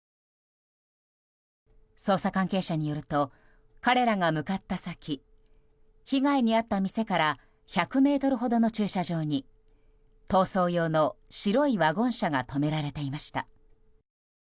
捜査関係者によると彼らが向かった先被害に遭った店から１００ｍほどの駐車場に逃走用の白いワゴン車が止められていました。